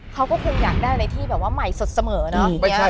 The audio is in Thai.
เขาก็คงอยากได้อะไรที่แบบว่าใหม่สดเสมอเนาะ